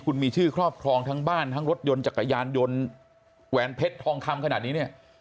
คุณมีชื่อครอบครองทั้งบ้านทั้งรถยนต์จักรยานยนต์แหวนเพชรทองคำขนาดนี้เนี่ย